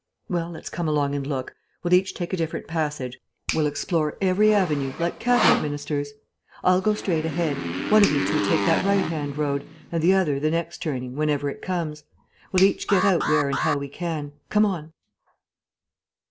"Well, let's come along and look. We'll each take a different passage; we'll explore every avenue, like Cabinet Ministers. I'll go straight ahead; one of you two take that right hand road, and the other the next turning, whenever it comes. We'll each get out where and how we can. Come on."